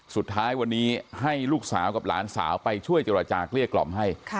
สุดท้ายวันนี้ให้ลูกสาวกับหลานสาวไปช่วยเจรจาเกลี้ยกล่อมให้